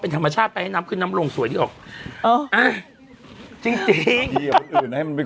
เป็นธรรมชาติไปให้น้ำขึ้นน้ำลงสวยดิออกเออจริงจริงให้มันไป